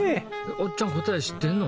おっちゃん答え知ってんの？